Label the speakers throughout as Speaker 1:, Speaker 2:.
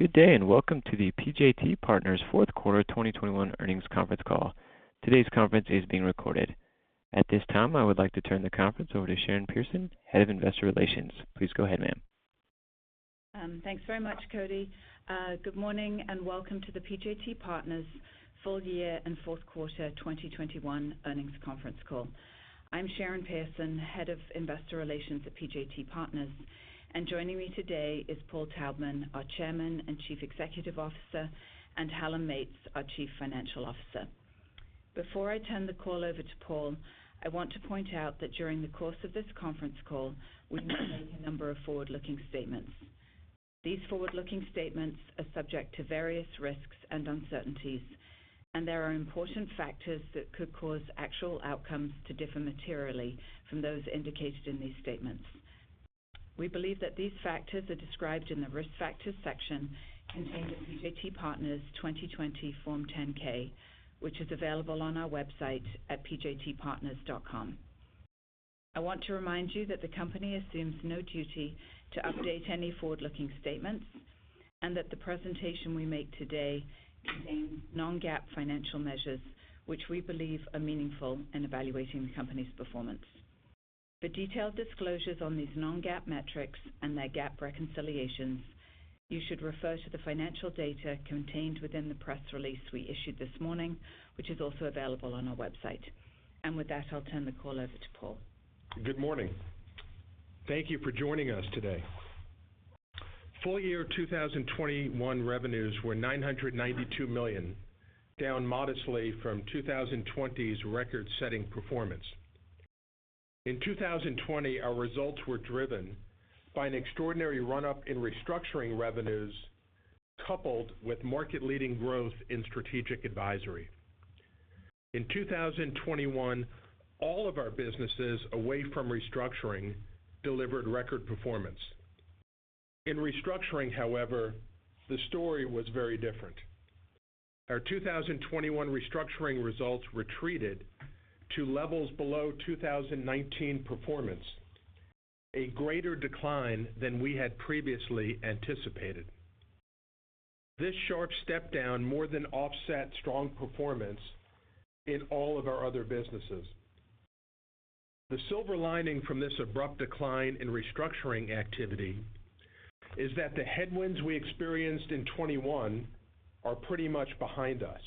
Speaker 1: Good day, and welcome to the PJT Partners fourth quarter 2021 earnings conference call. Today's conference is being recorded. At this time, I would like to turn the conference over to Sharon Pearson, Head of Investor Relations. Please go ahead, ma'am.
Speaker 2: Thanks very much, Cody. Good morning and welcome to the PJT Partners full year and fourth quarter 2021 earnings conference call. I'm Sharon Pearson, Head of Investor Relations at PJT Partners. Joining me today is Paul Taubman, our Chairman and Chief Executive Officer, and Helen Meates, our Chief Financial Officer. Before I turn the call over to Paul, I want to point out that during the course of this conference call, we may make a number of forward-looking statements. These forward-looking statements are subject to various risks and uncertainties, and there are important factors that could cause actual outcomes to differ materially from those indicated in these statements. We believe that these factors are described in the Risk Factors section contained in PJT Partners 2020 Form 10-K, which is available on our website at pjtpartners.com. I want to remind you that the company assumes no duty to update any forward-looking statements and that the presentation we make today contains non-GAAP financial measures, which we believe are meaningful in evaluating the company's performance. For detailed disclosures on these non-GAAP metrics and their GAAP reconciliations, you should refer to the financial data contained within the press release we issued this morning, which is also available on our website. With that, I'll turn the call over to Paul.
Speaker 3: Good morning. Thank you for joining us today. Full year 2021 revenues were $992 million, down modestly from 2020's record-setting performance. In 2020, our results were driven by an extraordinary run-up in Restructuring revenues coupled with market-leading growth in Strategic Advisory. In 2021, all of our businesses away from Restructuring delivered record performance. In Restructuring however, the story was very different. Our 2021 Restructuring results retreated to levels below 2019 performance, a greater decline than we had previously anticipated. This sharp step down more than offset strong performance in all of our other businesses. The silver lining from this abrupt decline in Restructuring activity is that the headwinds we experienced in 2021 are pretty much behind us.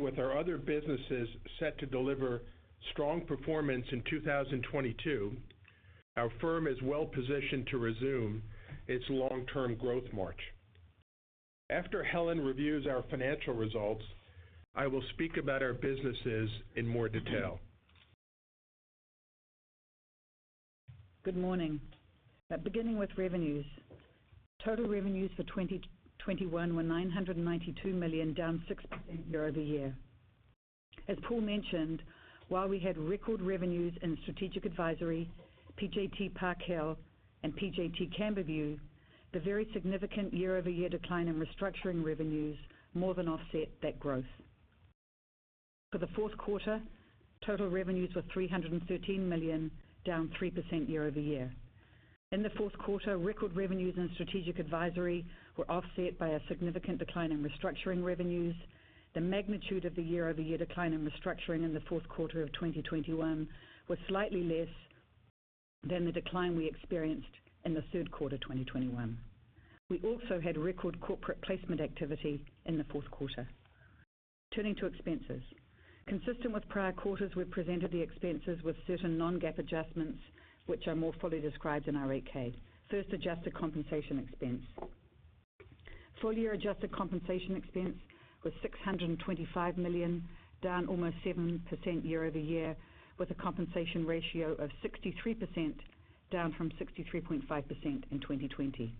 Speaker 3: With our other businesses set to deliver strong performance in 2022, our firm is well-positioned to resume its long-term growth march. After Helen reviews our financial results, I will speak about our businesses in more detail.
Speaker 4: Good morning. Now beginning with revenues. Total revenues for 2021 were $992 million, down 6% year-over-year. As Paul mentioned, while we had record revenues in Strategic Advisory, PJT Park Hill and PJT CamberView, the very significant year-over-year decline in Restructuring revenues more than offset that growth. For the fourth quarter, total revenues were $313 million, down 3% year-over-year. In the fourth quarter, record revenues in Strategic Advisory were offset by a significant decline in Restructuring revenues. The magnitude of the year-over-year decline in Restructuring in the fourth quarter of 2021 was slightly less than the decline we experienced in the third quarter 2021. We also had record corporate placement activity in the fourth quarter. Turning to expenses. Consistent with prior quarters, we've presented the expenses with certain non-GAAP adjustments which are more fully described in our 8-K. First, adjusted compensation expense. Full year adjusted compensation expense was $625 million, down almost 7% year-over-year with a compensation ratio of 63%, down from 63.5% in 2020.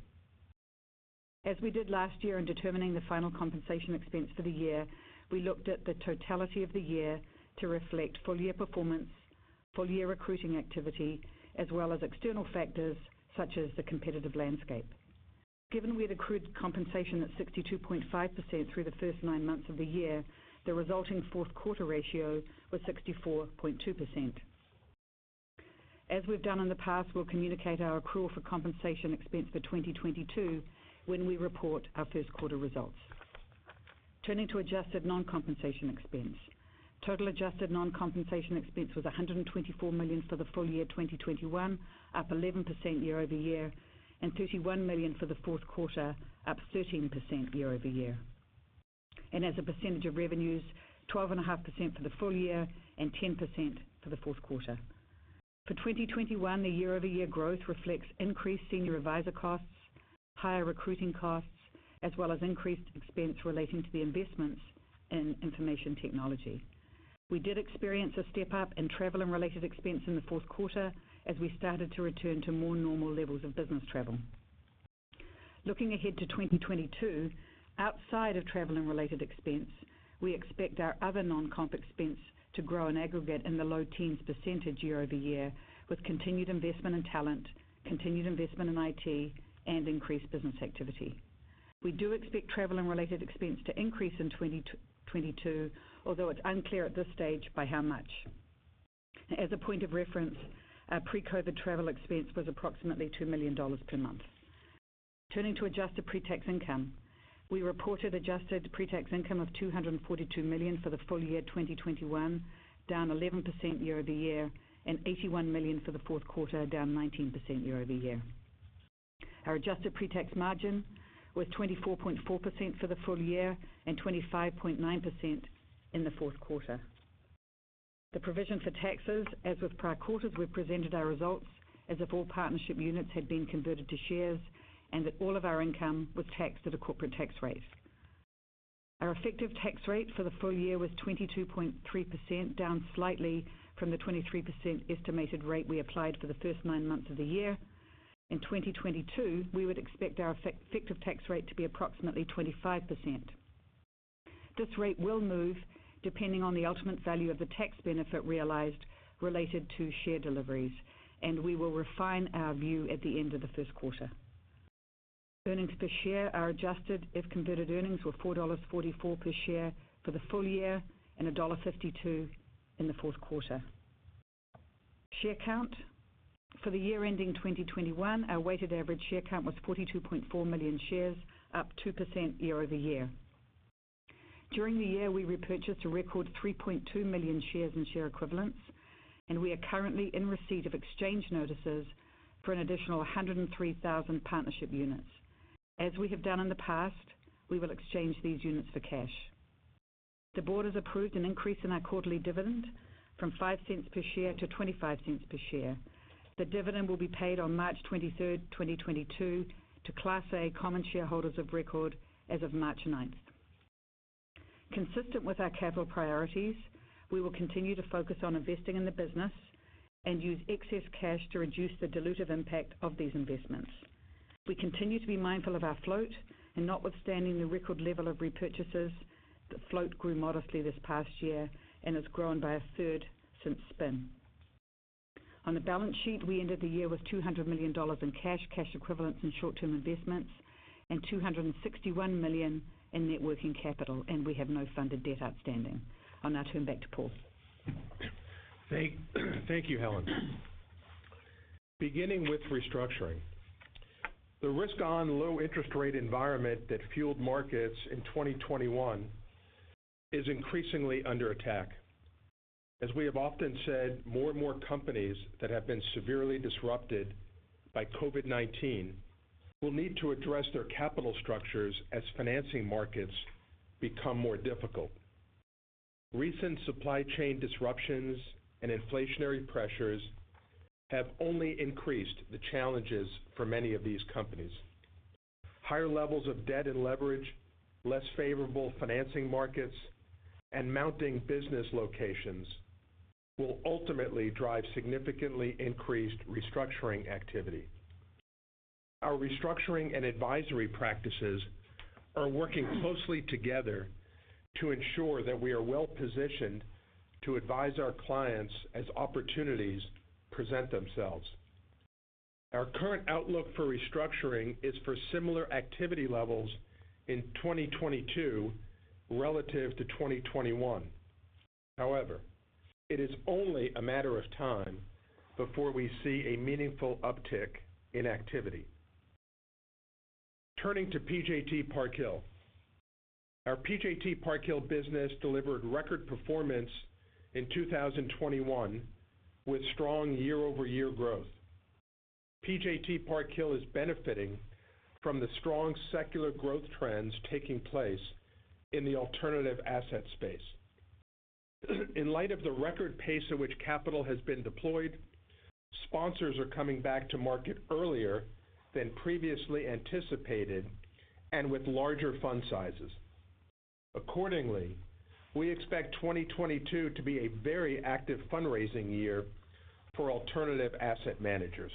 Speaker 4: As we did last year in determining the final compensation expense for the year, we looked at the totality of the year to reflect full year performance, full year recruiting activity as well as external factors such as the competitive landscape. Given we'd accrued compensation at 62.5% through the first nine months of the year, the resulting fourth quarter ratio was 64.2%. As we've done in the past, we'll communicate our accrual for compensation expense for 2022 when we report our first quarter results. Turning to adjusted non-compensation expense. Total adjusted non-compensation expense was $124 million for the full year 2021, up 11% year-over-year, and $31 million for the fourth quarter, up 13% year-over-year. As a percentage of revenues, 12.5% for the full year and 10% for the fourth quarter. For 2021, the year-over-year growth reflects increased senior advisor costs, higher recruiting costs as well as increased expense relating to the investments in information technology. We did experience a step up in travel and related expense in the fourth quarter as we started to return to more normal levels of business travel. Looking ahead to 2022, outside of travel and related expense, we expect our other non-comp expense to grow in aggregate in the low teens percent year-over-year with continued investment in talent, continued investment in IT, and increased business activity. We do expect travel and related expense to increase in 2022 although it's unclear at this stage by how much. As a point of reference, our pre-COVID travel expense was approximately $2 million per month. Turning to adjusted pre-tax income, we reported adjusted pre-tax income of $242 million for the full year 2021, down 11% year-over-year, and $81 million for the fourth quarter, down 19% year-over-year. Our adjusted pre-tax margin was 24.4% for the full year and 25.9% in the fourth quarter. The provision for taxes, as with prior quarters, we presented our results as if all partnership units had been converted to shares and that all of our income was taxed at a corporate tax rate. Our effective tax rate for the full year was 22.3%, down slightly from the 23% estimated rate we applied for the first nine months of the year. In 2022, we would expect our effective tax rate to be approximately 25%. This rate will move depending on the ultimate value of the tax benefit realized related to share deliveries, and we will refine our view at the end of the first quarter. Earnings per share are adjusted if converted earnings were $4.44 per share for the full year and $1.52 in the fourth quarter. Share count. For the year ending 2021, our weighted average share count was 42.4 million shares, up 2% year-over-year. During the year, we repurchased a record 3.2 million shares and share equivalents, and we are currently in receipt of exchange notices for an additional 103,000 partnership units. As we have done in the past, we will exchange these units for cash. The Board has approved an increase in our quarterly dividend from $0.05 per share to $0.25 per share. The dividend will be paid on March 23rd, 2022 to Class A common shareholders of record as of March 9th, 2022. Consistent with our capital priorities, we will continue to focus on investing in the business and use excess cash to reduce the dilutive impact of these investments. We continue to be mindful of our float and notwithstanding the record level of repurchases, the float grew modestly this past year and has grown by a third since spin. On the balance sheet, we ended the year with $200 million in cash equivalents, and short-term investments, and $261 million in net working capital, and we have no funded debt outstanding. I'll now turn back to Paul.
Speaker 3: Thank you, Helen. Beginning with Restructuring. The risk-on low interest rate environment that fueled markets in 2021 is increasingly under attack. As we have often said, more and more companies that have been severely disrupted by COVID-19 will need to address their capital structures as financing markets become more difficult. Recent supply chain disruptions and inflationary pressures have only increased the challenges for many of these companies. Higher levels of debt and leverage, less favorable financing markets, and mounting business dislocations will ultimately drive significantly increased restructuring activity. Our restructuring and advisory practices are working closely together to ensure that we are well-positioned to advise our clients as opportunities present themselves. Our current outlook for restructuring is for similar activity levels in 2022 relative to 2021. However, it is only a matter of time before we see a meaningful uptick in activity. Turning to PJT Park Hill. Our PJT Park Hill business delivered record performance in 2021 with strong year-over-year growth. PJT Park Hill is benefiting from the strong secular growth trends taking place in the alternative asset space. In light of the record pace at which capital has been deployed, sponsors are coming back to market earlier than previously anticipated and with larger fund sizes. Accordingly, we expect 2022 to be a very active fundraising year for alternative asset managers.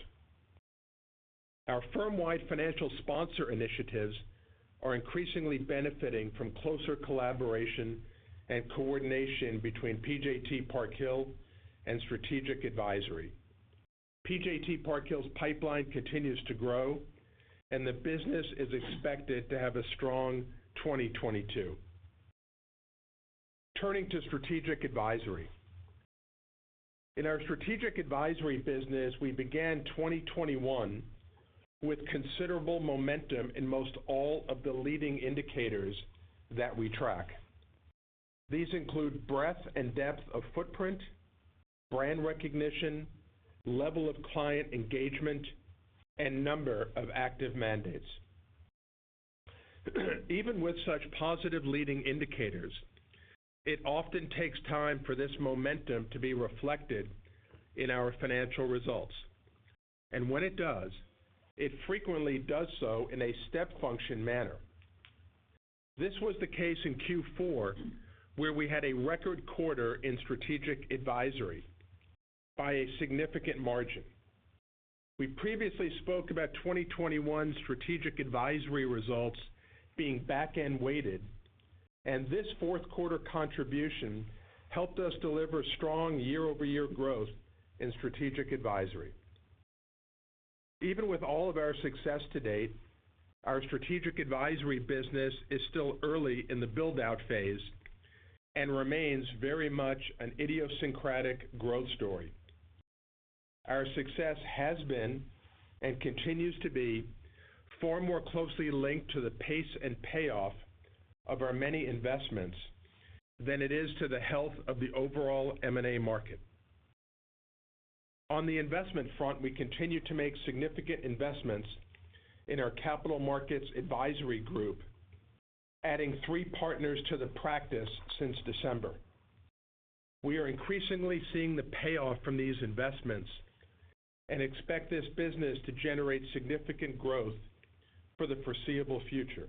Speaker 3: Our firm-wide financial sponsor initiatives are increasingly benefiting from closer collaboration and coordination between PJT Park Hill and Strategic Advisory. PJT Park Hill's pipeline continues to grow and the business is expected to have a strong 2022. Turning to Strategic Advisory. In our Strategic Advisory business, we began 2021 with considerable momentum in most all of the leading indicators that we track. These include breadth and depth of footprint, brand recognition, level of client engagement, and number of active mandates. Even with such positive leading indicators, it often takes time for this momentum to be reflected in our financial results, and when it does, it frequently does so in a step function manner. This was the case in Q4, where we had a record quarter in Strategic Advisory by a significant margin. We previously spoke about 2021 Strategic Advisory results being back-end weighted, and this fourth quarter contribution helped us deliver strong year-over-year growth in Strategic Advisory. Even with all of our success to date, our Strategic Advisory business is still early in the build-out phase and remains very much an idiosyncratic growth story. Our success has been, and continues to be, far more closely linked to the pace and payoff of our many investments than it is to the health of the overall M&A market. On the investment front, we continue to make significant investments in our Capital Markets Advisory group, adding three partners to the practice since December. We are increasingly seeing the payoff from these investments and expect this business to generate significant growth for the foreseeable future.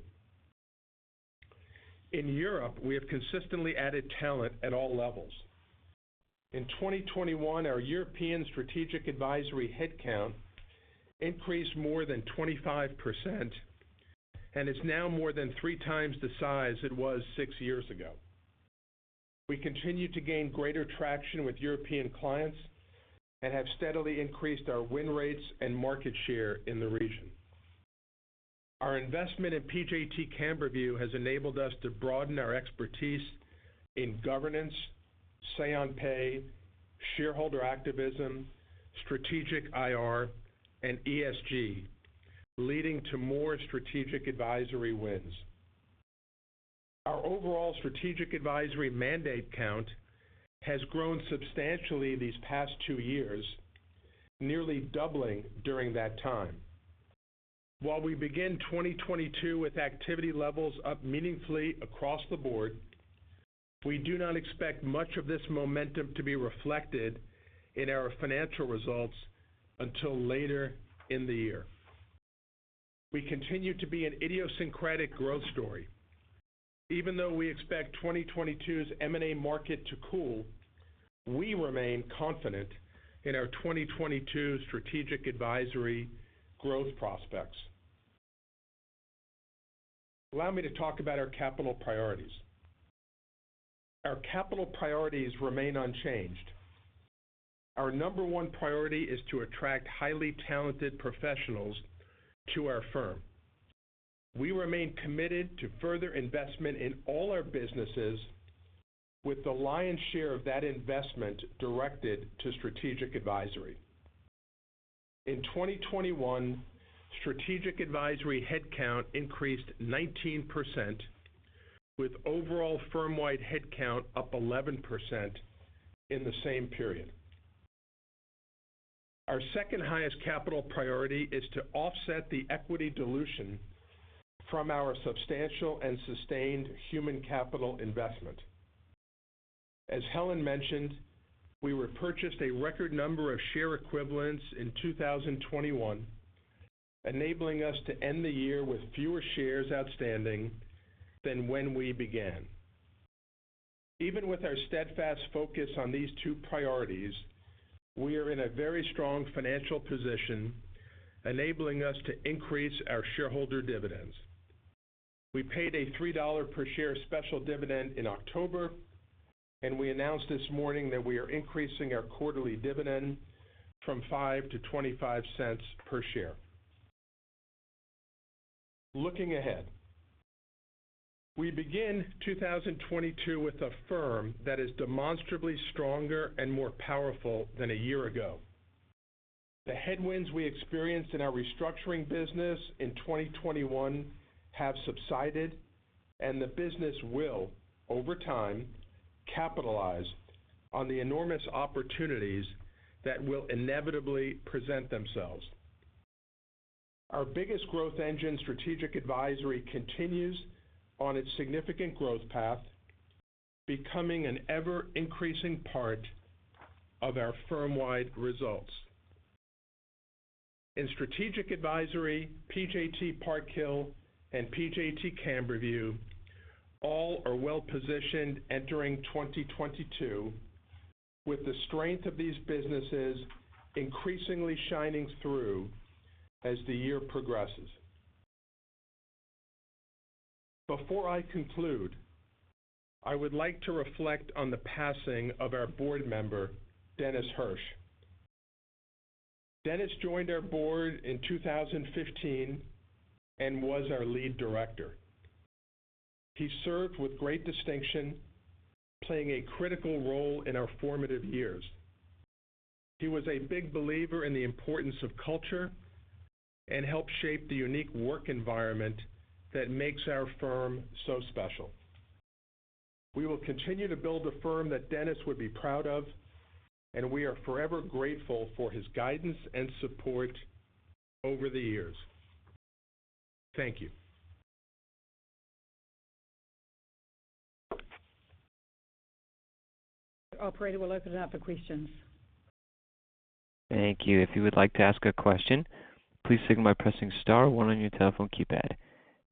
Speaker 3: In Europe, we have consistently added talent at all levels. In 2021, our European Strategic Advisory headcount increased more than 25% and is now more than 3x the size it was six years ago. We continue to gain greater traction with European clients and have steadily increased our win rates and market share in the region. Our investment in PJT CamberView has enabled us to broaden our expertise in governance, say-on-pay, shareholder activism, strategic IR, and ESG, leading to more Strategic Advisory wins. Our overall Strategic Advisory mandate count has grown substantially these past two years, nearly doubling during that time. While we begin 2022 with activity levels up meaningfully across the board, we do not expect much of this momentum to be reflected in our financial results until later in the year. We continue to be an idiosyncratic growth story. Even though we expect 2022's M&A market to cool, we remain confident in our 2022 Strategic Advisory growth prospects. Allow me to talk about our capital priorities. Our capital priorities remain unchanged. Our number one priority is to attract highly talented professionals to our firm. We remain committed to further investment in all our businesses with the lion's share of that investment directed to Strategic Advisory. In 2021, Strategic Advisory headcount increased 19% with overall firm-wide headcount up 11% in the same period. Our second-highest capital priority is to offset the equity dilution from our substantial and sustained human capital investment. As Helen mentioned, we repurchased a record number of share equivalents in 2021, enabling us to end the year with fewer shares outstanding than when we began. Even with our steadfast focus on these two priorities, we are in a very strong financial position, enabling us to increase our shareholder dividends. We paid a $3 per share special dividend in October, and we announced this morning that we are increasing our quarterly dividend from $0.05 to $0.25 per share. Looking ahead, we begin 2022 with a firm that is demonstrably stronger and more powerful than a year ago. The headwinds we experienced in our Restructuring business in 2021 have subsided, and the business will, over time, capitalize on the enormous opportunities that will inevitably present themselves. Our biggest growth engine, Strategic Advisory, continues on its significant growth path, becoming an ever-increasing part of our firm-wide results. In Strategic Advisory, PJT Park Hill and PJT CamberView all are well positioned entering 2022, with the strength of these businesses increasingly shining through as the year progresses. Before I conclude, I would like to reflect on the passing of our Board Member, Dennis Hersch. Dennis joined our Board in 2015 and was our Lead Director. He served with great distinction, playing a critical role in our formative years. He was a big believer in the importance of culture and helped shape the unique work environment that makes our firm so special. We will continue to build a firm that Dennis would be proud of, and we are forever grateful for his guidance and support over the years. Thank you.
Speaker 2: Operator, we'll open it up for questions.
Speaker 1: Thank you. If you would like to ask a question, please signal by pressing star one on your telephone keypad.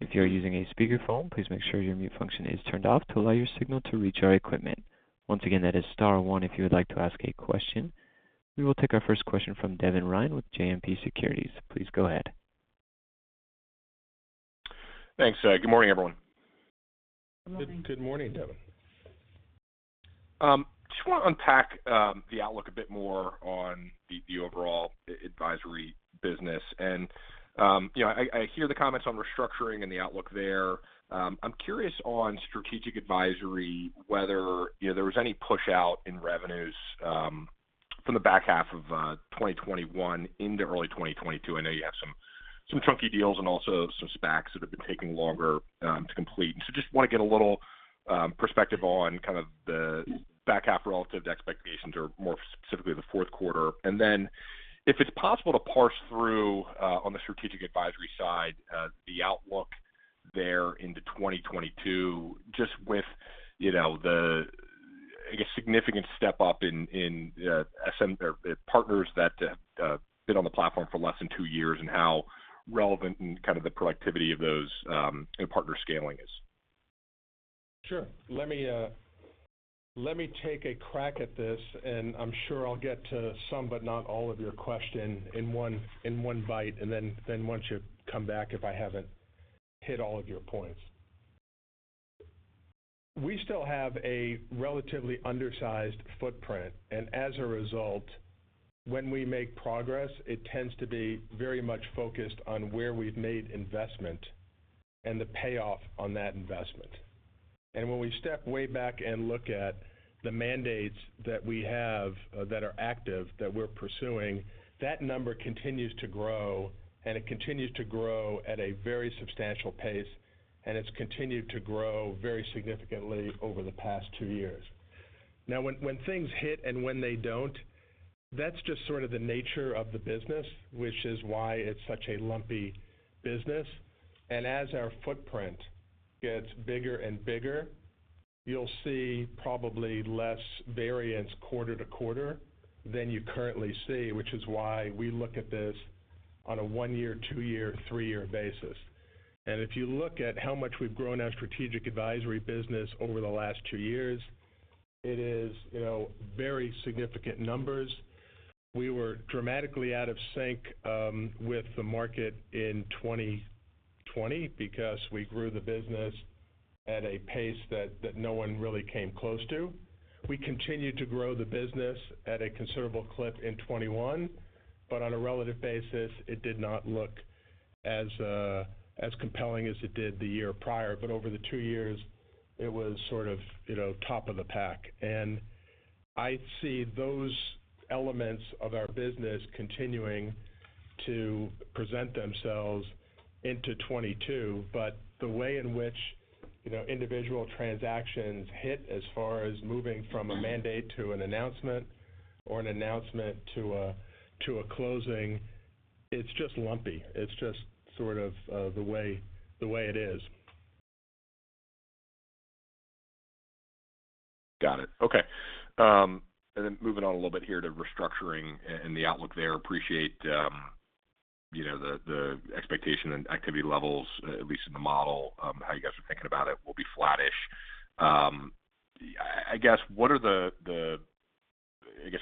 Speaker 1: If you are using a speakerphone, please make sure your mute function is turned off to allow your signal to reach our equipment. Once again, that is star one if you would like to ask a question. We will take our first question from Devin Ryan with JMP Securities. Please go ahead.
Speaker 5: Thanks, good morning, everyone.
Speaker 3: Good morning, Devin.
Speaker 5: Just wanna unpack the outlook a bit more on the overall advisory business. You know, I hear the comments on Restructuring and the outlook there. I'm curious on Strategic Advisory, whether you know there was any push-out in revenues from the back half of 2021 into early 2022. I know you have some chunky deals and also some SPACs that have been taking longer to complete. Just wanna get a little perspective on kind of the back half relative to expectations or more specifically the fourth quarter. If it's possible to parse through on the Strategic Advisory side the outlook there into 2022 just with you know the I guess significant step up in partners that been on the platform for less than two years and how relevant and kind of the productivity of those and partner scaling is.
Speaker 3: Sure. Let me take a crack at this, and I'm sure I'll get to some but not all of your question in one bite, and then why don't you come back if I haven't hit all of your points. We still have a relatively undersized footprint, and as a result, when we make progress, it tends to be very much focused on where we've made investment and the payoff on that investment. When we step way back and look at the mandates that we have that are active, that we're pursuing, that number continues to grow, and it continues to grow at a very substantial pace, and it's continued to grow very significantly over the past two years. Now, when things hit and when they don't, that's just sort of the nature of the business, which is why it's such a lumpy business. As our footprint gets bigger and bigger, you'll see probably less variance quarter-to-quarter than you currently see, which is why we look at this on a one-year, two-year, three-year basis. If you look at how much we've grown our Strategic Advisory business over the last two years, it is, you know, very significant numbers. We were dramatically out of sync with the market in 2020 because we grew the business at a pace that no one really came close to. We continued to grow the business at a considerable clip in 2021, but on a relative basis, it did not look as compelling as it did the year prior. Over the two years, it was sort of, you know, top of the pack. I see those elements of our business continuing to present themselves into 2022. The way in which, you know, individual transactions hit as far as moving from a mandate to an announcement or an announcement to a closing, it's just lumpy. It's just sort of the way it is.
Speaker 5: Got it. Okay. Moving on a little bit here to Restructuring and the outlook there. I appreciate, you know, the expectation and activity levels, at least in the model, how you guys are thinking about it will be flattish. I guess, what are the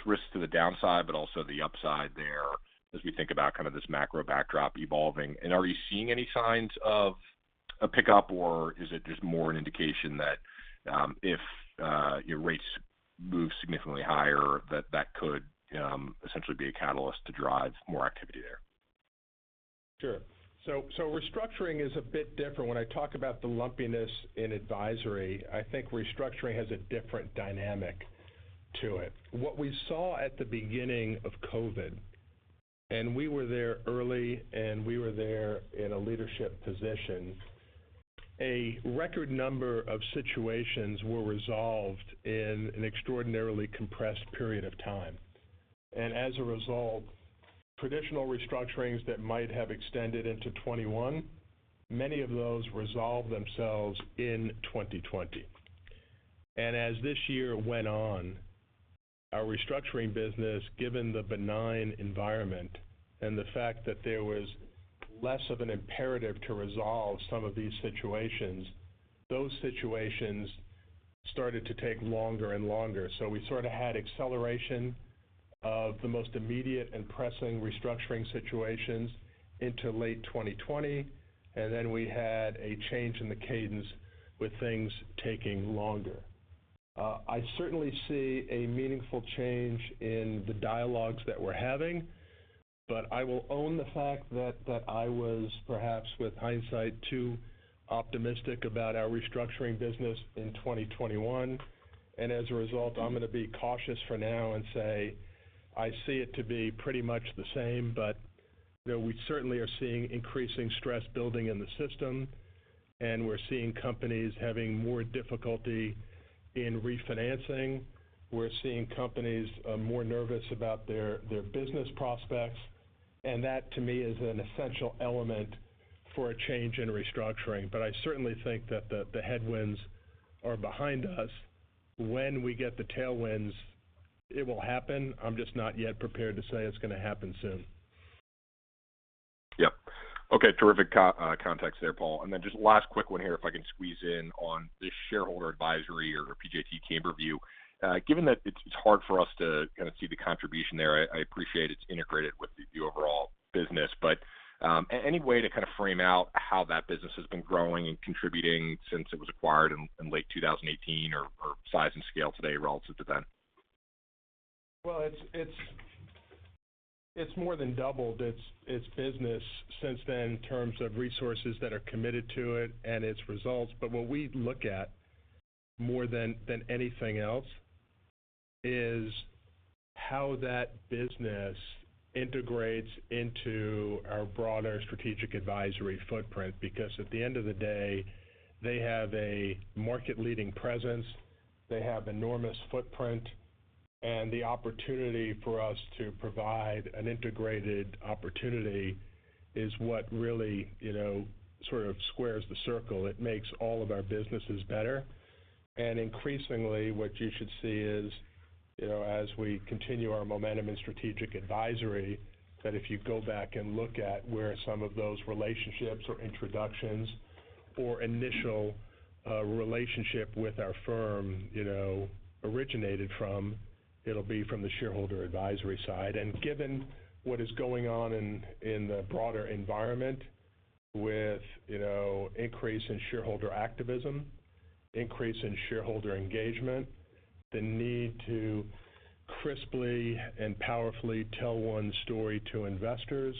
Speaker 5: risks to the downside, but also the upside there as we think about kind of this macro backdrop evolving? Are you seeing any signs of a pickup, or is it just more an indication that, if your rates move significantly higher, that could essentially be a catalyst to drive more activity there?
Speaker 3: Sure. Restructuring is a bit different. When I talk about the lumpiness in advisory, I think Restructuring has a different dynamic to it. What we saw at the beginning of COVID, and we were there early, and we were there in a leadership position, a record number of situations were resolved in an extraordinarily compressed period of time. As a result, traditional restructurings that might have extended into 2021, many of those resolved themselves in 2020. As this year went on, our Restructuring business, given the benign environment and the fact that there was less of an imperative to resolve some of these situations, those situations started to take longer and longer. We sort of had acceleration of the most immediate and pressing Restructuring situations into late 2020, and then we had a change in the cadence with things taking longer. I certainly see a meaningful change in the dialogues that we're having, but I will own the fact that I was perhaps, with hindsight, too optimistic about our Restructuring business in 2021. As a result, I'm gonna be cautious for now and say I see it to be pretty much the same, but, you know, we certainly are seeing increasing stress building in the system, and we're seeing companies having more difficulty in refinancing. We're seeing companies more nervous about their business prospects, and that, to me, is an essential element for a change in Restructuring. But I certainly think that the headwinds are behind us. When we get the tailwinds, it will happen. I'm just not yet prepared to say it's gonna happen soon.
Speaker 5: Yep. Okay, terrific context there, Paul. Then just last quick one here, if I can squeeze in on this shareholder advisory or PJT CamberView. Given that it's hard for us to kinda see the contribution there, I appreciate it's integrated with the overall business. Any way to kind of frame out how that business has been growing and contributing since it was acquired in late 2018 or size and scale today relative to then?
Speaker 3: Well, it's more than doubled its business since then in terms of resources that are committed to it and its results. But what we look at more than anything else is how that business integrates into our broader Strategic Advisory footprint. Because at the end of the day, they have a market-leading presence, they have enormous footprint, and the opportunity for us to provide an integrated opportunity is what really, you know, sort of squares the circle. It makes all of our businesses better. Increasingly, what you should see is, you know, as we continue our momentum in Strategic Advisory, that if you go back and look at where some of those relationships or introductions or initial relationship with our firm, you know, originated from, it'll be from the Shareholder Advisory side. Given what is going on in the broader environment with, you know, increase in shareholder activism, increase in shareholder engagement, the need to crisply and powerfully tell one story to investors,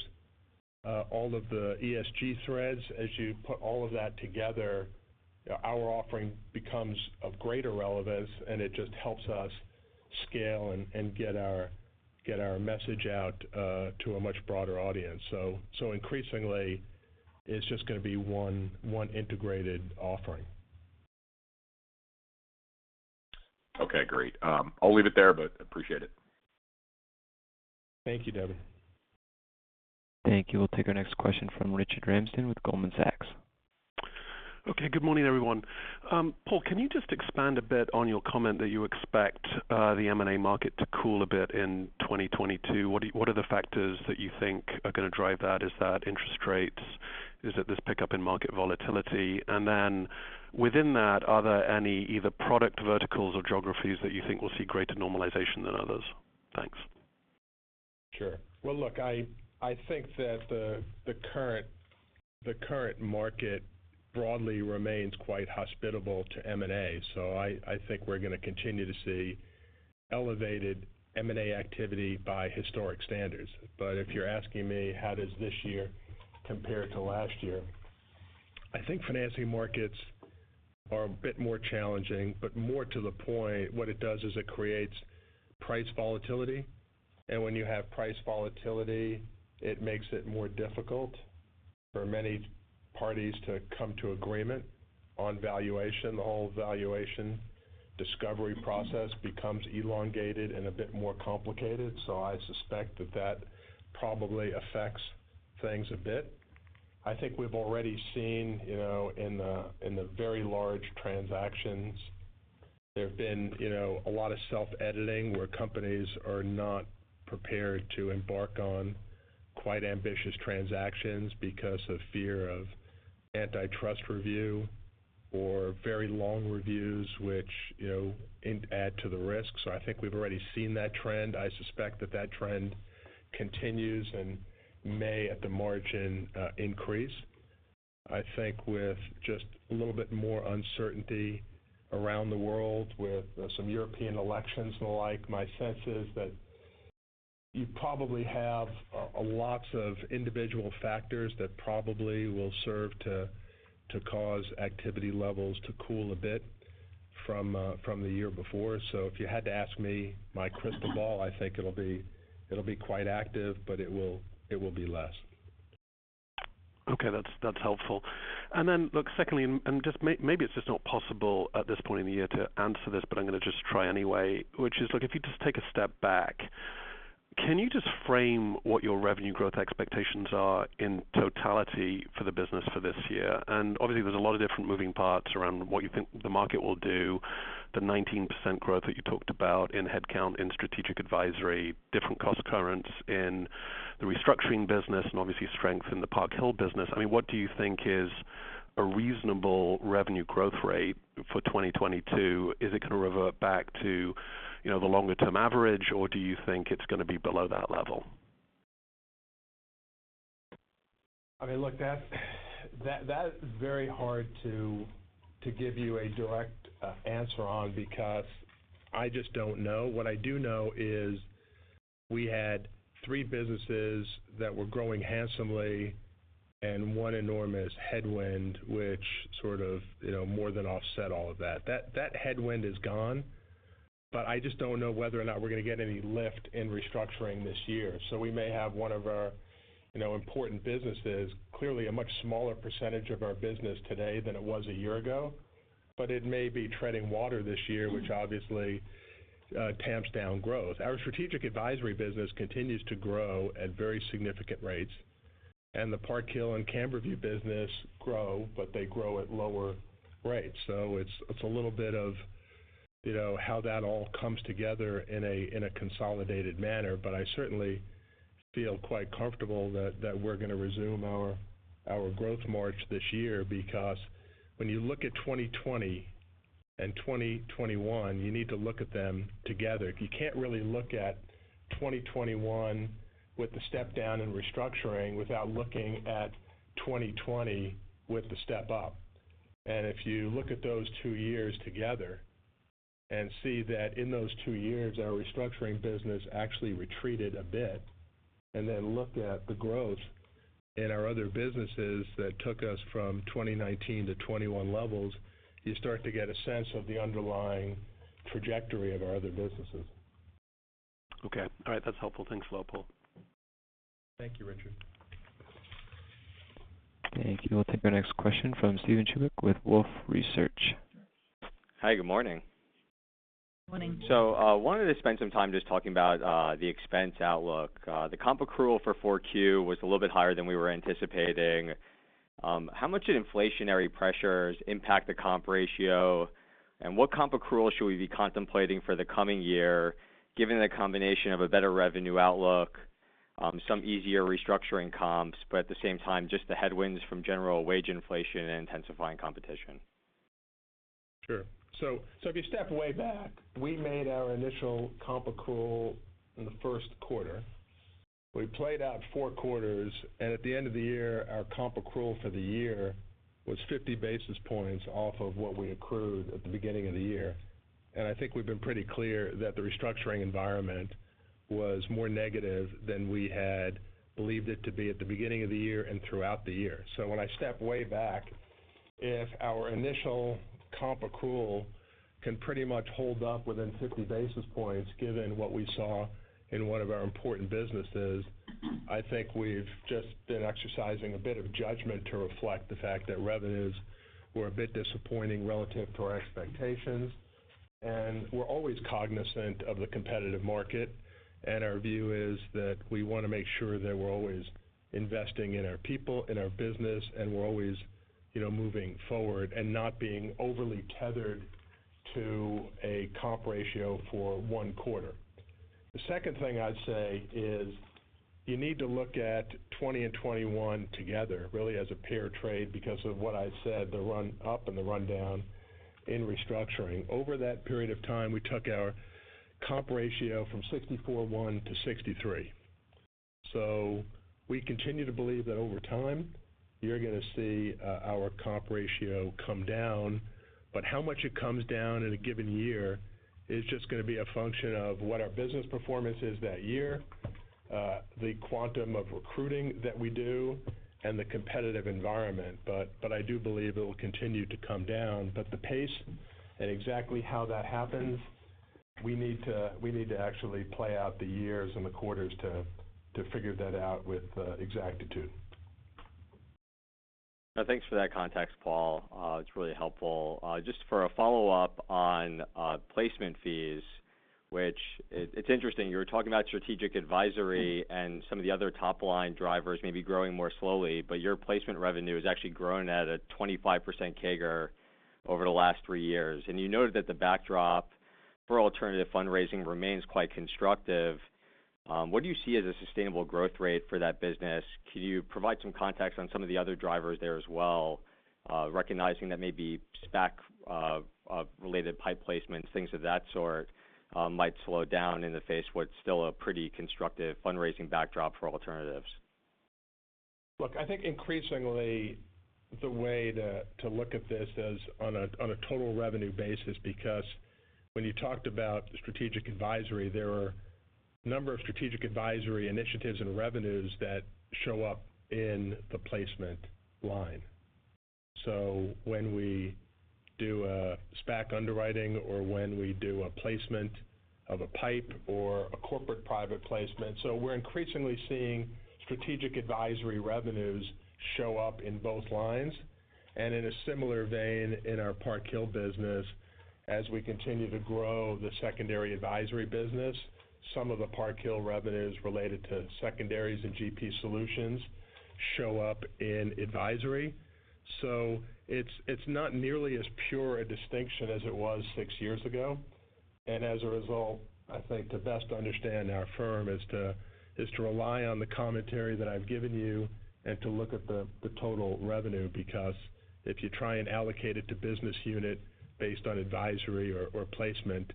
Speaker 3: all of the ESG threads, as you put all of that together, our offering becomes of greater relevance, and it just helps us scale and get our message out to a much broader audience. So increasingly, it's just gonna be one integrated offering.
Speaker 5: Okay, great. I'll leave it there, but appreciate it.
Speaker 3: Thank you, Devin Ryan.
Speaker 1: Thank you. We'll take our next question from Richard Ramsden with Goldman Sachs.
Speaker 6: Okay, good morning, everyone. Paul, can you just expand a bit on your comment that you expect the M&A market to cool a bit in 2022? What are the factors that you think are gonna drive that? Is that interest rates? Is it this pickup in market volatility? Within that, are there any either product verticals or geographies that you think will see greater normalization than others? Thanks.
Speaker 3: Sure. Well, look, I think that the current market broadly remains quite hospitable to M&A. I think we're gonna continue to see elevated M&A activity by historic standards. If you're asking me, how does this year compare to last year, I think financing markets are a bit more challenging, but more to the point, what it does is it creates price volatility. When you have price volatility, it makes it more difficult for many parties to come to agreement on valuation. The whole valuation discovery process becomes elongated and a bit more complicated. I suspect that probably affects things a bit. I think we've already seen, you know, in the very large transactions, there have been, you know, a lot of self-editing where companies are not prepared to embark on quite ambitious transactions because of fear of antitrust review or very long reviews, which, you know, add to the risk. So I think we've already seen that trend. I suspect that trend continues and may, at the margin, increase. I think with just a little bit more uncertainty around the world with some European elections and the like, my sense is that you probably have lots of individual factors that probably will serve to cause activity levels to cool a bit from the year before. So if you had to ask me my crystal ball, I think it'll be quite active, but it will be less.
Speaker 6: Okay, that's helpful. Then look, secondly, just maybe it's just not possible at this point in the year to answer this, but I'm gonna just try anyway, which is, look, if you just take a step back, can you just frame what your revenue growth expectations are in totality for the business for this year? Obviously, there's a lot of different moving parts around what you think the market will do, the 19% growth that you talked about in headcount, in Strategic Advisory, different cost currents in the Restructuring business, and obviously strength in the Park Hill business. I mean, what do you think is a reasonable revenue growth rate for 2022? Is it gonna revert back to, you know, the longer-term average, or do you think it's gonna be below that level?
Speaker 3: I mean, look, that is very hard to give you a direct answer on because I just don't know. What I do know is we had three businesses that were growing handsomely and one enormous headwind, which sort of, you know, more than offset all of that. That headwind is gone, but I just don't know whether or not we're gonna get any lift in Restructuring this year. We may have one of our, you know, important businesses, clearly a much smaller percentage of our business today than it was a year ago, but it may be treading water this year, which obviously tamps down growth. Our Strategic Advisory business continues to grow at very significant rates, and the Park Hill and CamberView business grow, but they grow at lower rates. It's a little bit of, you know, how that all comes together in a consolidated manner. I certainly feel quite comfortable that we're gonna resume our growth march this year because when you look at 2020 and 2021, you need to look at them together. You can't really look at 2021 with the step-down in Restructuring without looking at 2020 with the step up. If you look at those two years together and see that in those two years, our Restructuring business actually retreated a bit, and then looked at the growth in our other businesses that took us from 2019 to 2021 levels, you start to get a sense of the underlying trajectory of our other businesses.
Speaker 6: Okay. All right, that's helpful. Thanks a lot, Paul.
Speaker 3: Thank you, Richard.
Speaker 1: Thank you. We'll take our next question from Steven Chubak with Wolfe Research.
Speaker 7: Hi, Good morning.
Speaker 3: Morning.
Speaker 7: Wanted to spend some time just talking about the expense outlook. The comp accrual for Q4 was a little bit higher than we were anticipating. How much did inflationary pressures impact the comp ratio? What comp accrual should we be contemplating for the coming year, given the combination of a better revenue outlook, some easier restructuring comps, but at the same time, just the headwinds from general wage inflation and intensifying competition?
Speaker 3: Sure. If you step way back, we made our initial comp accrual in the first quarter. We played out four quarters, and at the end of the year, our comp accrual for the year was 50 basis points off of what we accrued at the beginning of the year. I think we've been pretty clear that the restructuring environment was more negative than we had believed it to be at the beginning of the year and throughout the year. When I step way back, if our initial comp accrual can pretty much hold up within 50 basis points, given what we saw in one of our important businesses, I think we've just been exercising a bit of judgment to reflect the fact that revenues were a bit disappointing relative to our expectations. We're always cognizant of the competitive market, and our view is that we wanna make sure that we're always investing in our people, in our business, and we're always, you know, moving forward and not being overly tethered to a comp ratio for one quarter. The second thing I'd say is you need to look at 2020 and 2021 together, really as a pair trade because of what I said, the run up and the rundown in Restructuring. Over that period of time, we took our comp ratio from 64.1% to 63%. We continue to believe that over time, you're gonna see our comp ratio come down. How much it comes down in a given year is just gonna be a function of what our business performance is that year, the quantum of recruiting that we do and the competitive environment. I do believe it will continue to come down. The pace and exactly how that happens, we need to actually play out the years and the quarters to figure that out with exactitude.
Speaker 7: Thanks for that context, Paul. It's really helpful. Just for a follow-up on placement fees, it's interesting, you're talking about Strategic Advisory and some of the other top-line drivers may be growing more slowly, but your placement revenue is actually growing at a 25% CAGR over the last three years. You noted that the backdrop for alternative fundraising remains quite constructive. What do you see as a sustainable growth rate for that business? Could you provide some context on some of the other drivers there as well, recognizing that maybe SPAC related PIPE placements, things of that sort, might slow down in the face of what's still a pretty constructive fundraising backdrop for alternatives?
Speaker 3: Look, I think increasingly the way to look at this as on a total revenue basis, because when you talked about Strategic Advisory, there are a number of Strategic Advisory initiatives and revenues that show up in the placement line, when we do a SPAC underwriting or when we do a placement of a PIPE or a corporate private placement. We're increasingly seeing Strategic Advisory revenues show up in both lines. In a similar vein in our Park Hill business, as we continue to grow the secondary advisory business, some of the Park Hill revenues related to secondaries and GP solutions show up in advisory. It's not nearly as pure a distinction as it was six years ago. As a result, I think to best understand our firm is to rely on the commentary that I've given you and to look at the total revenue, because if you try and allocate it to business unit based on advisory or placement,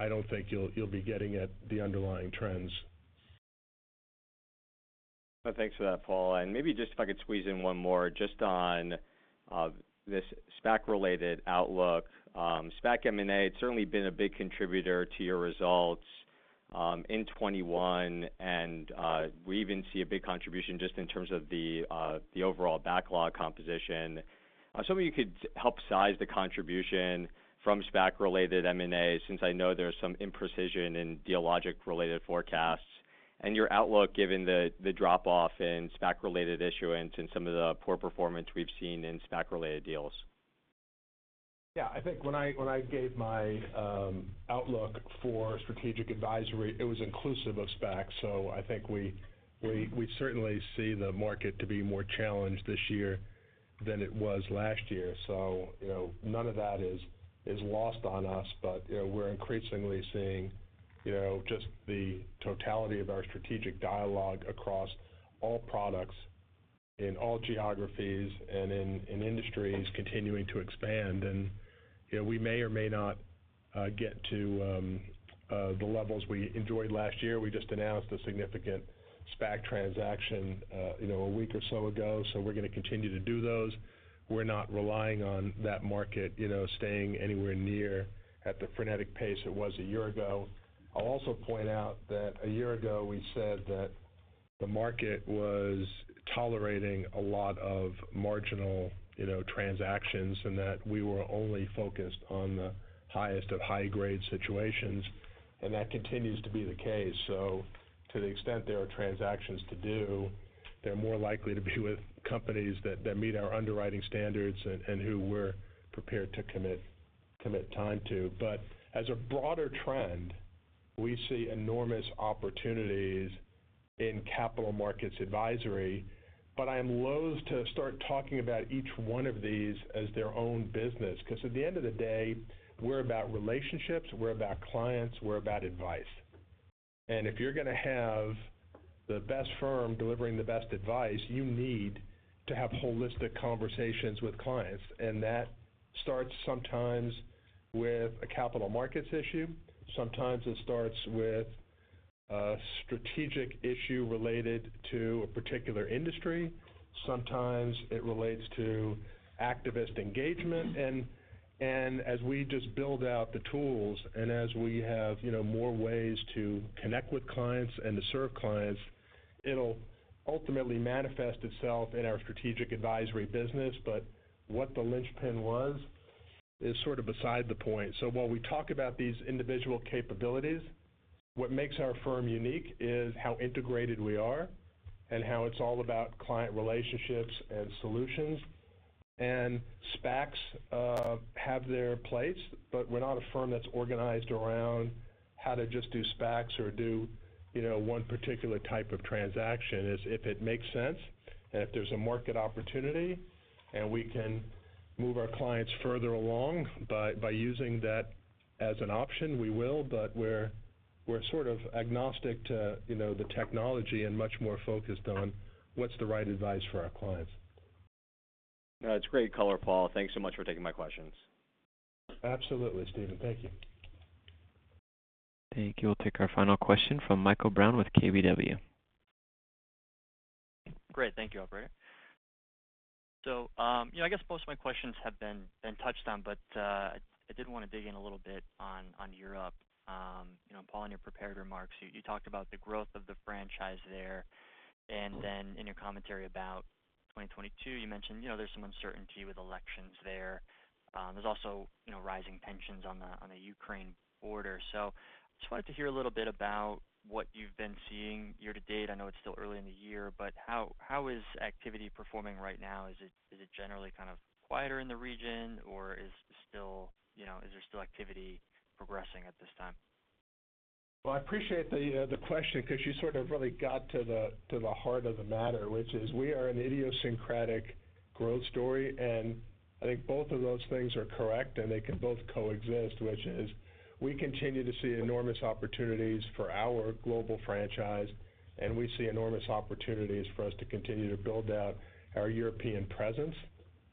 Speaker 3: I don't think you'll be getting at the underlying trends.
Speaker 7: Thanks for that, Paul. Maybe just if I could squeeze in one more just on this SPAC-related outlook. SPAC M&A, it's certainly been a big contributor to your results in 2021, and we even see a big contribution just in terms of the overall backlog composition. I was hoping you could help size the contribution from SPAC-related M&A since I know there's some imprecision in Dealogic-related forecasts, and your outlook given the drop-off in SPAC-related issuance and some of the poor performance we've seen in SPAC-related deals.
Speaker 3: Yeah. I think when I gave my outlook for Strategic Advisory, it was inclusive of SPAC. I think we certainly see the market to be more challenged this year than it was last year. You know, none of that is lost on us. You know, we're increasingly seeing you know, just the totality of our strategic dialogue across all products in all geographies and in industries continuing to expand. You know, we may or may not get to the levels we enjoyed last year. We just announced a significant SPAC transaction you know, a week or so ago, so we're gonna continue to do those. We're not relying on that market you know, staying anywhere near at the frenetic pace it was a year ago. I'll also point out that a year ago we said that the market was tolerating a lot of marginal, you know, transactions, and that we were only focused on the highest of high-grade situations, and that continues to be the case. To the extent there are transactions to do, they're more likely to be with companies that meet our underwriting standards and who we're prepared to commit time to. As a broader trend, we see enormous opportunities in capital markets advisory. I'm loathe to start talking about each one of these as their own business, 'cause at the end of the day, we're about relationships, we're about clients, we're about advice. If you're gonna have the best firm delivering the best advice, you need to have holistic conversations with clients. That starts sometimes with a capital markets issue, sometimes it starts with a strategic issue related to a particular industry, sometimes it relates to activist engagement. As we just build out the tools and as we have, you know, more ways to connect with clients and to serve clients, it'll ultimately manifest itself in our Strategic Advisory business. What the linchpin was is sort of beside the point. While we talk about these individual capabilities, what makes our firm unique is how integrated we are and how it's all about client relationships and solutions. SPACs have their place, but we're not a firm that's organized around how to just do SPACs or do, you know, one particular type of transaction. Yes, if it makes sense, and if there's a market opportunity, and we can move our clients further along by using that as an option, we will. We're sort of agnostic to, you know, the technology and much more focused on what's the right advice for our clients.
Speaker 7: No, that's great color, Paul. Thanks so much for taking my questions.
Speaker 3: Absolutely, Steven. Thank you.
Speaker 1: Thank you. We'll take our final question from Michael Brown with KBW.
Speaker 8: Great. Thank you, operator. I guess most of my questions have been touched on, but I did wanna dig in a little bit on Europe. You know, Paul, in your prepared remarks, you talked about the growth of the franchise there. Then in your commentary about 2022, you mentioned, you know, there's some uncertainty with elections there. There's also, you know, rising tensions on the Ukraine border. I just wanted to hear a little bit about what you've been seeing year to date. I know it's still early in the year, but how is activity performing right now? Is it generally kind of quieter in the region, or is it still? You know, is there still activity progressing at this time?
Speaker 3: Well, I appreciate the question 'cause you sort of really got to the heart of the matter, which is we are an idiosyncratic growth story. I think both of those things are correct, and they can both coexist, which is we continue to see enormous opportunities for our global franchise, and we see enormous opportunities for us to continue to build out our European presence.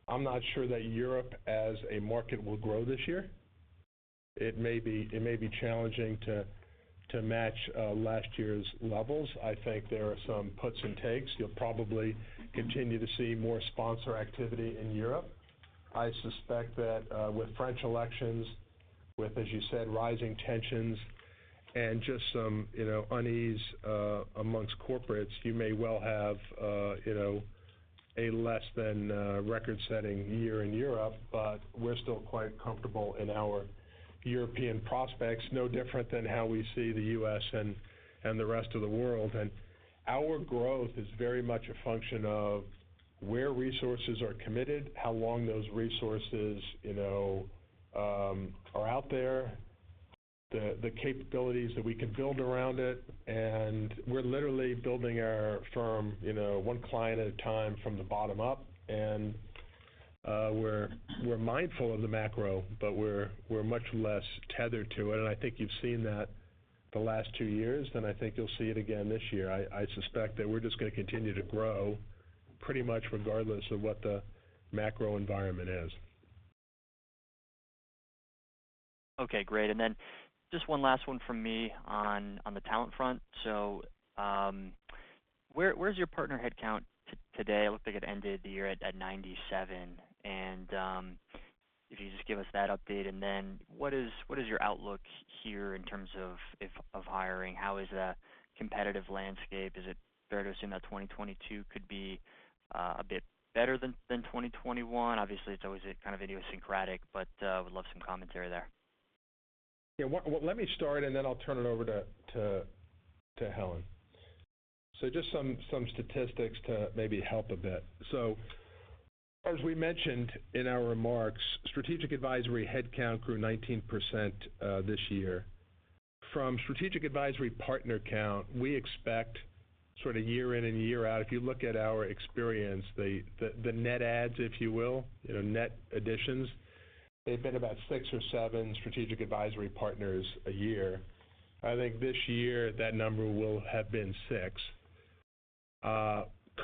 Speaker 3: I'm not sure that Europe as a market will grow this year. It may be challenging to match last year's levels. I think there are some puts and takes. You'll probably continue to see more sponsor activity in Europe. I suspect that with French elections, with, as you said, rising tensions and just some, you know, unease amongst corporates, you may well have, you know, a less than record-setting year in Europe. We're still quite comfortable in our European prospects, no different than how we see the U.S. and the rest of the world. Our growth is very much a function of where resources are committed, how long those resources, you know, are out there, the capabilities that we can build around it. We're literally building our firm, you know, one client at a time from the bottom up, and we're mindful of the macro, but we're much less tethered to it. I think you've seen that the last two years, and I think you'll see it again this year. I suspect that we're just gonna continue to grow pretty much regardless of what the macro environment is.
Speaker 8: Okay, great. Just one last one from me on the talent front. Where's your partner headcount today? It looked like it ended the year at 97. If you could just give us that update. What is your outlook here in terms of hiring? How is the competitive landscape? Is it fair to assume that 2022 could be a bit better than 2021? Obviously, it's always kind of idiosyncratic, but would love some commentary there.
Speaker 3: Yeah. Let me start, and then I'll turn it over to Helen. Just some statistics to maybe help a bit. As we mentioned in our remarks, Strategic Advisory headcount grew 19% this year. From Strategic Advisory partner count, we expect sort of year in and year out, if you look at our experience, the net adds, if you will, you know, net additions, they've been about six or seven Strategic Advisory partners a year. I think this year that number will have been six.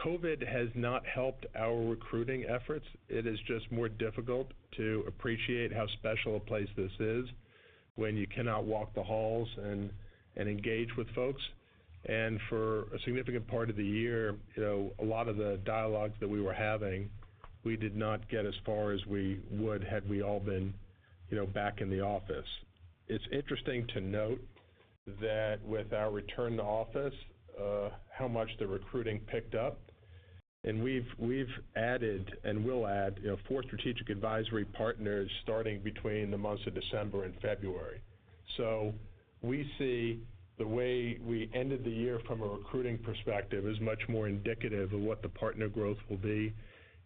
Speaker 3: COVID has not helped our recruiting efforts. It is just more difficult to appreciate how special a place this is when you cannot walk the halls and engage with folks. For a significant part of the year, you know, a lot of the dialogues that we were having, we did not get as far as we would had we all been, you know, back in the office. It's interesting to note that with our return to office, how much the recruiting picked up, and we've added and will add, you know, four Strategic Advisory partners starting between the months of December and February. We see the way we ended the year from a recruiting perspective is much more indicative of what the partner growth will be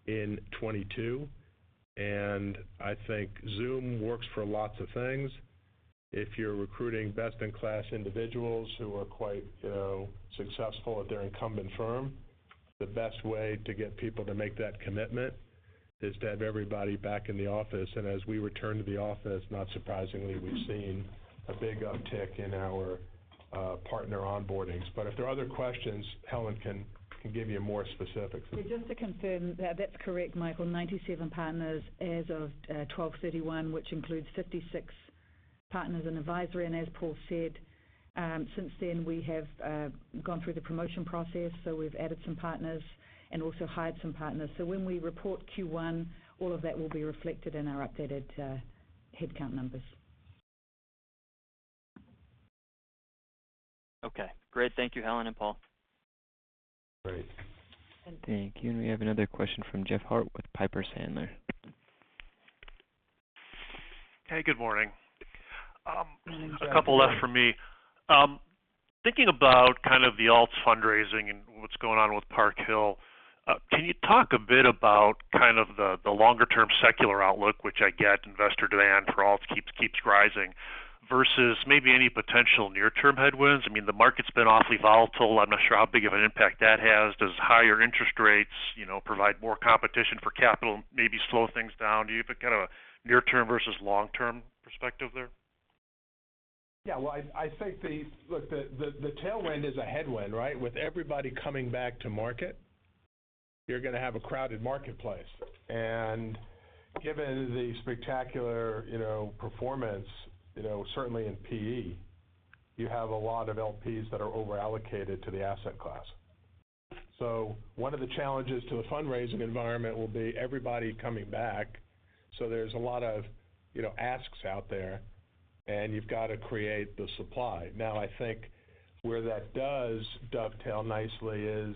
Speaker 3: in 2022. I think Zoom works for lots of things. If you're recruiting best in class individuals who are quite, you know, successful at their incumbent firm, the best way to get people to make that commitment is to have everybody back in the office. As we return to the office, not surprisingly, we've seen a big uptick in our partner onboardings. If there are other questions, Helen can give you more specifics.
Speaker 4: Just to confirm, that's correct, Michael. 97 partners as of 12/31, which includes 56 partners in advisory. As Paul said, since then we have gone through the promotion process. We've added some partners and also hired some partners. When we report Q1, all of that will be reflected in our updated headcount numbers.
Speaker 8: Okay, great. Thank you, Helen and Paul.
Speaker 3: Great.
Speaker 4: Thank you.
Speaker 1: Thank you. We have another question from Jeff Harte with Piper Sandler.
Speaker 9: Hey, good morning. A couple left from me. Thinking about kind of the alts fundraising and what's going on with Park Hill, can you talk a bit about kind of the longer term secular outlook, which I get investor demand for alts keeps rising, versus maybe any potential near term headwinds? I mean, the market's been awfully volatile. I'm not sure how big of an impact that has. Does higher interest rates, you know, provide more competition for capital, maybe slow things down? Do you have a kind of a near term versus long term perspective there?
Speaker 3: Yeah, well, I think. Look, the tailwind is a headwind, right? With everybody coming back to market, you're gonna have a crowded marketplace. Given the spectacular, you know, performance, you know, certainly in PE, you have a lot of LPs that are over-allocated to the asset class. One of the challenges to the fundraising environment will be everybody coming back. There's a lot of, you know, asks out there, and you've got to create the supply. Now, I think where that does dovetail nicely is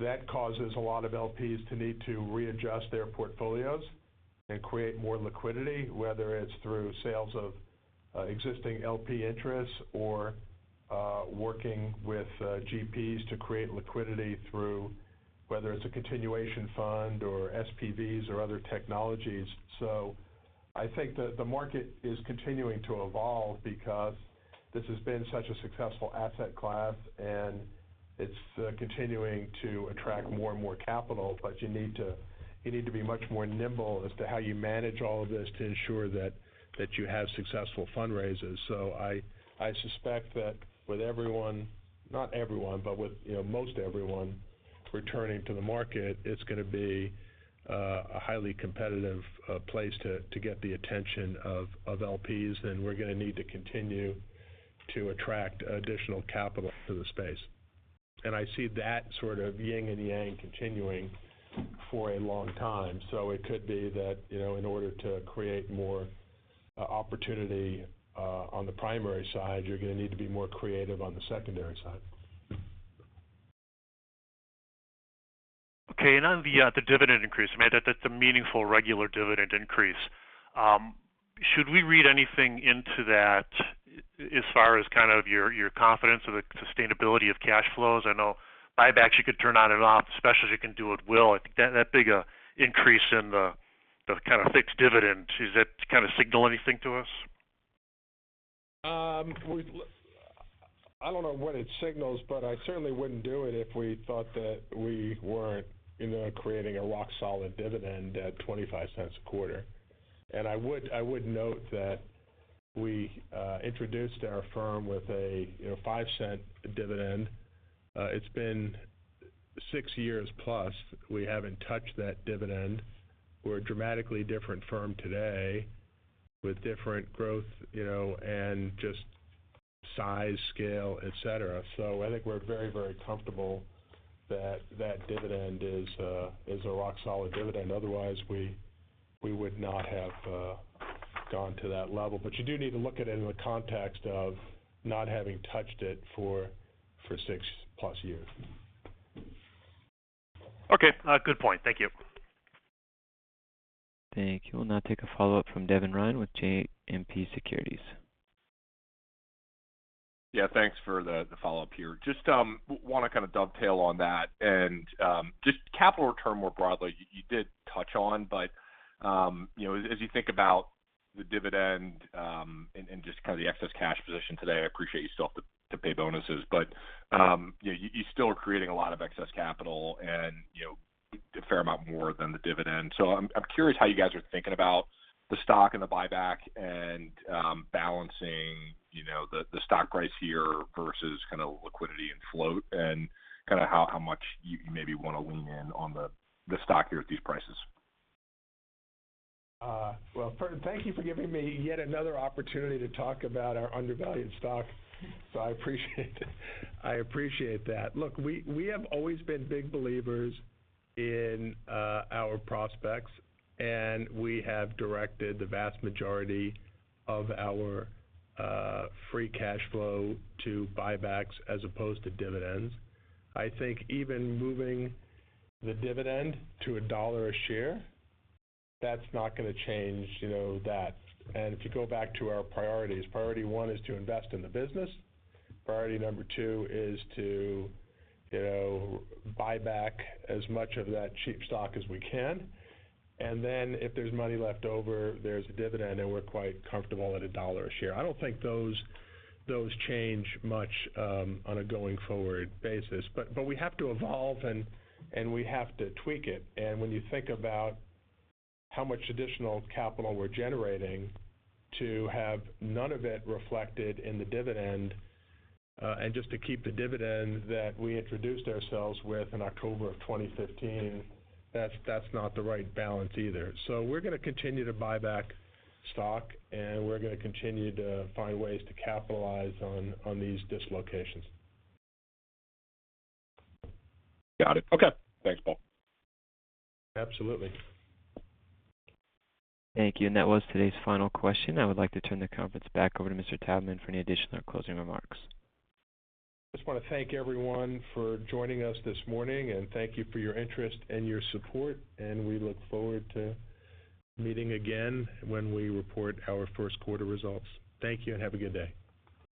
Speaker 3: that causes a lot of LPs to need to readjust their portfolios and create more liquidity, whether it's through sales of existing LP interests or working with GPs to create liquidity through, whether it's a continuation fund or SPVs or other technologies. I think the market is continuing to evolve because this has been such a successful asset class, and it's continuing to attract more and more capital. You need to be much more nimble as to how you manage all of this to ensure that you have successful fundraisers. I suspect that with everyone, not everyone, but with, you know, most everyone returning to the market, it's gonna be a highly competitive place to get the attention of LPs. We're gonna need to continue to attract additional capital to the space. I see that sort of yin and yang continuing for a long time. It could be that, you know, in order to create more opportunity on the primary side, you're gonna need to be more creative on the secondary side.
Speaker 9: Okay. On the dividend increase, I mean, that's a meaningful regular dividend increase. Should we read anything into that as far as kind of your confidence or the sustainability of cash flows? I know buybacks, you could turn on and off, especially you can do at will. I think that big increase in the kind of fixed dividend, does that kind of signal anything to us?
Speaker 3: I don't know what it signals, but I certainly wouldn't do it if we thought that we weren't in there creating a rock solid dividend at $0.25 a quarter. I would note that we introduced our firm with a, you know, $0.05 dividend. It's been six years plus, we haven't touched that dividend. We're a dramatically different firm today with different growth, you know, and just size, scale, etc. I think we're very, very comfortable that that dividend is a rock solid dividend. Otherwise we would not have gone to that level. You do need to look at it in the context of not having touched it for 6 plus years.
Speaker 9: Okay, good point. Thank you.
Speaker 1: Thank you. We'll now take a follow-up from Devin Ryan with JMP Securities.
Speaker 5: Yeah, thanks for the follow-up here. Just want to kind of dovetail on that and just capital return more broadly, you did touch on, but you know, as you think about The dividend, and just kind of the excess cash position today, I appreciate you still have to pay bonuses, but, yeah, you still are creating a lot of excess capital and, you know, a fair amount more than the dividend. So I'm curious how you guys are thinking about the stock and the buyback and, balancing, you know, the stock price here versus kinda liquidity and float and kinda how much you maybe wanna lean in on the stock here at these prices.
Speaker 3: Well, first thank you for giving me yet another opportunity to talk about our undervalued stock. I appreciate it. I appreciate that. Look, we have always been big believers in our prospects, and we have directed the vast majority of our free cash flow to buybacks as opposed to dividends. I think even moving the dividend to $1 a share, that's not gonna change, you know, that. If you go back to our priorities, priority one is to invest in the business. Priority number two is to, you know, buy back as much of that cheap stock as we can. Then if there's money left over, there's a dividend, and we're quite comfortable at $1 a share. I don't think those change much on a going forward basis. But we have to evolve, and we have to tweak it. When you think about how much additional capital we're generating to have none of it reflected in the dividend, and just to keep the dividend that we introduced ourselves with in October 2015, that's not the right balance either. We're gonna continue to buy back stock, and we're gonna continue to find ways to capitalize on these dislocations.
Speaker 5: Got it. Okay. Thanks, Paul.
Speaker 3: Absolutely.
Speaker 1: Thank you. That was today's final question. I would like to turn the conference back over to Mr. Taubman for any additional closing remarks.
Speaker 3: Just wanna thank everyone for joining us this morning, and thank you for your interest and your support, and we look forward to meeting again when we report our first quarter results. Thank you, and have a good day.